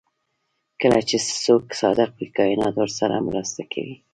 کله چې څوک صادق وي کائنات ورسره مرسته کوي.